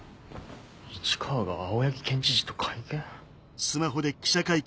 市川が青柳県知事と会見？